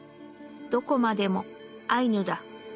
何処までもアイヌだ。